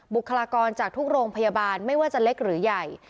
บุคลากรจากทุกโรงพยาบาลไม่ว่าจะเล็กหรือใหญ่